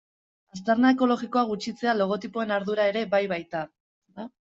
Aztarna ekologikoa gutxitzea logotipoen ardura ere bai baita.